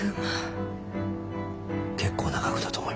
結構な額だと思います。